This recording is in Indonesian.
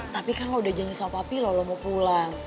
tapi kan lo udah janji sama papa pilo lo mau pulang